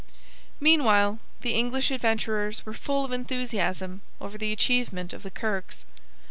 Meanwhile the English Adventurers were full of enthusiasm over the achievement of the Kirkes.